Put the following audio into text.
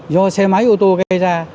do xe máy ô tô gây ra